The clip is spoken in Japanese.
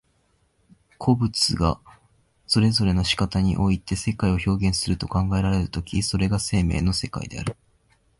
個物がそれぞれの仕方において世界を表現すると考えられる時、それが生命の世界である。